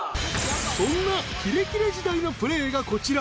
［そんなキレキレ時代のプレーがこちら］